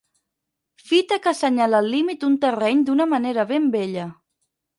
Fita que assenyala el límit d'un terreny d'una manera ben bella.